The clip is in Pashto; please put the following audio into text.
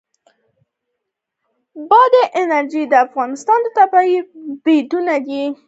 بادي انرژي د افغانستان د طبیعي پدیدو یو رنګ دی.